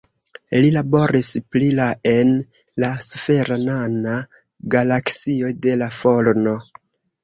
Li laboris pri la en la sfera nana galaksio de la Forno.